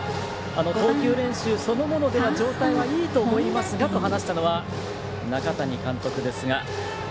投球練習そのものでは状態はいいと思いますがと話したのは中谷監督ですが。